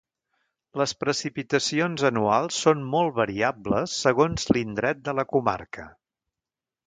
Les precipitacions anuals són molt variables segons l'indret de la comarca.